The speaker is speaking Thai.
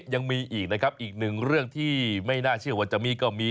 ยังมีอีกนะครับอีกหนึ่งเรื่องที่ไม่น่าเชื่อว่าจะมีก็มี